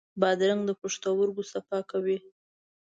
بادرنګ د پښتورګو صفا کوي.